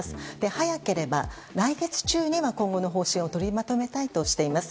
早ければ来月中には今後の方針を取りまとめたいとしています。